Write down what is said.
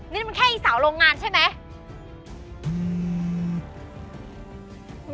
นี่มันแค่อีสาวโรงงานใช่ไหม